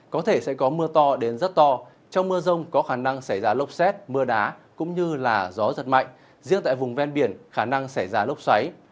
có thể sẽ có mưa to đến rất to trong mưa rông có khả năng xảy ra lốc xét mưa đá cũng như gió giật mạnh riêng tại vùng ven biển khả năng xảy ra lốc xoáy